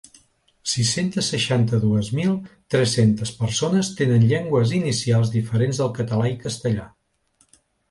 Sis-centes seixanta-dues mil tres-centes persones tenen llengües inicials diferents del català i castellà.